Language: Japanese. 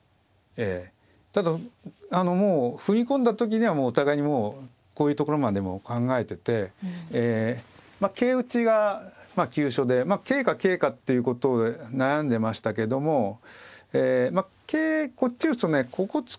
ただあのもう踏み込んだ時にはお互いにもうこういうところまでも考えてて桂打ちが急所で桂か桂かっていうことで悩んでましたけども桂こっち打つとねここ突きやすくなるんですよね。